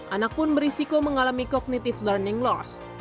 anak pun berisiko mengalami kognitif learning loss